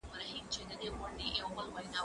زه کولای سم خواړه ورکړم